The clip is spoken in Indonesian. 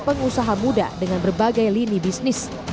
pengusaha muda dengan berbagai lini bisnis